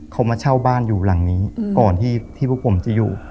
เขามาเช่าบ้านอยู่หลังนี้ก่อนที่พวกผมจะอยู่